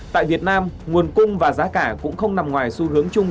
tại việt nam nguồn cung và giá cả cũng không nằm ngoài xu hướng chung